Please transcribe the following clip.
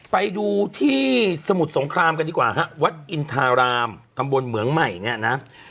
ไปดูที่สมุทรสงครามกันดีกว่าฮะวัดอินทารามตำบลเหมืองใหม่เนี่ยนะ